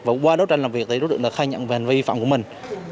và qua đấu tranh làm việc thì đối tượng đã khai nhận về hành vi vi phạm của mình